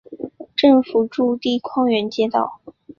政府驻地匡远街道。